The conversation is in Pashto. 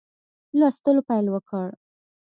لوستلو پیل وکړ.